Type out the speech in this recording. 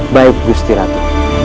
baik gusti ratu